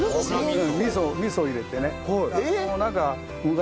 味噌入れてね。